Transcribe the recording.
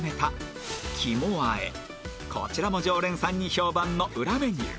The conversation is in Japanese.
こちらも常連さんに評判の裏メニュー